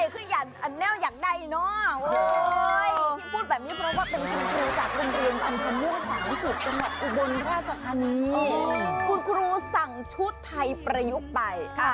คุณครูสั่งชุดไทยประยุกต์ไป